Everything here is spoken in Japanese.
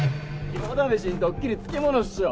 肝試しにドッキリ付き物っしょ？